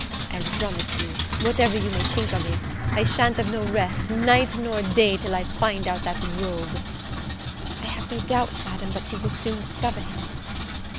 I'll promise you, whatever you may think of it, I sha'n't have no rest, night nor day, till I find out that rogue." "I have no doubt, Madam, but you will soon discover him."